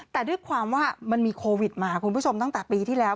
แต่ด้วยความว่ามันมีโควิดมาคุณผู้ชมตั้งแต่ปีที่แล้ว